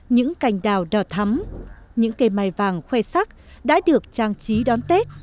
những cành đào đỏ thắm những cây mài vàng khoe sắc đã được trang trí đón tết